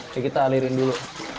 jadi kita alirin dulu